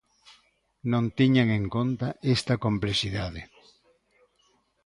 Non tiñan en conta esta complexidade.